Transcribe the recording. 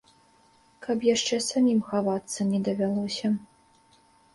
Каб яшчэ самім хавацца не давялося.